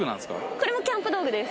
これもキャンプ道具です